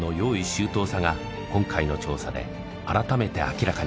周到さが今回の調査で改めて明らかになった。